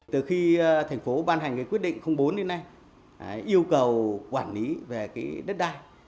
từ khi thành phố ban hành quyết định bốn đến nay yêu cầu quản lý về đất đai